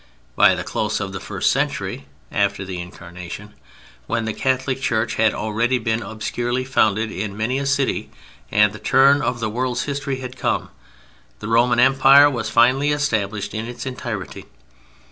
By the close of the first century after the Incarnation, when the Catholic Church had already been obscurely founded in many a city, and the turn of the world's history had come, the Roman Empire was finally established in its entirety.